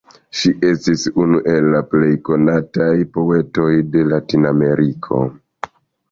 Ŝi estis unu el la plej konataj poetoj de Latinameriko.